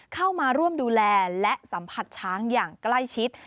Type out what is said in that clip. เข้ามาร่วมดูแลและสัมผัสช้างอย่างใกล้ชิด